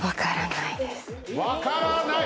分からない。